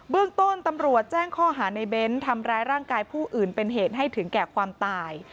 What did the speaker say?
เรื่องต้นตำรวจแจ้งข้อหาในเบ้นทำร้ายร่างกายผู้อื่นเป็นเหตุให้ถึงแก่ความตาย